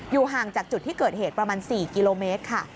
ห่างจากจุดที่เกิดเหตุประมาณ๔กิโลเมตรค่ะ